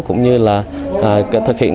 cũng như là thực hiện